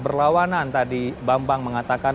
berlawanan tadi bambang mengatakan